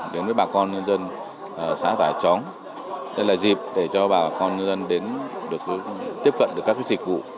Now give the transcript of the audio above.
đến với bà con nhân dân xã tà sư chóng đây là dịp để cho bà con nhân dân tiếp cận được các dịch vụ